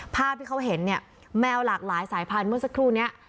ภาพที่เขาเห็นเนี่ยแมวหลากหลายสายพันธุ์เมื่อสักครู่นี้